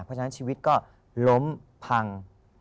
เพราะฉะนั้นชีวิตก็ล้มพัง